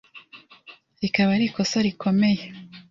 rikaba ari ikosa rikomeye